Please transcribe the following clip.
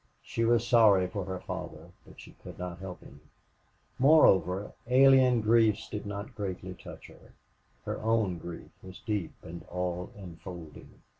She was sorry for her father, but she could not help him. Moreover, alien griefs did not greatly touch her. Her own grief was deep and all enfolding.